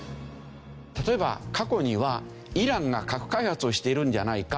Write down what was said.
例えば過去にはイランが核開発をしているんじゃないか？